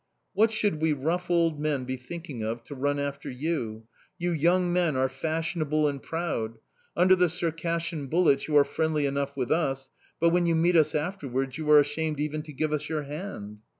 "What should we rough old men be thinking of to run after you? You young men are fashionable and proud: under the Circassian bullets you are friendly enough with us... but when you meet us afterwards you are ashamed even to give us your hand!"